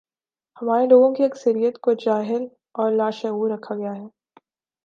ہمارے لوگوں کی اکثریت کو جاہل اور لاشعور رکھا گیا ہے۔